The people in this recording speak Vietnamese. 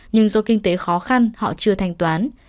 nhưng do kinh tế khó khăn họ chưa thanh toán